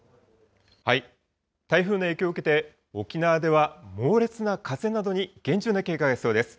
台風の影響を受けて、沖縄では猛烈な風などに厳重な警戒が必要です。